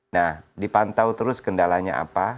nah dipantau terus kendalanya apa